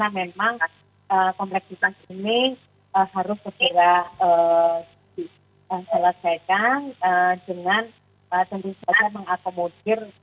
tentu saja mengakomodir